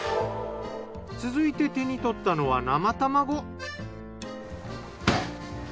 続いて手にとったのは生卵。